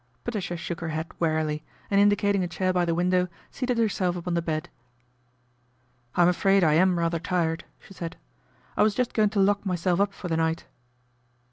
Patricia shook her head wearily, and indicating a chair by the window, seated herself upon the bed. " I'm afraid I am rather tired," she said. " II was just going to lock myself up for the night."